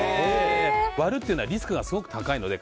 割るっていうのはリスクがすごく高いので。